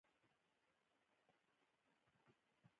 عزت مهم دئ، پېسې خو هر څوک درلودلای سي.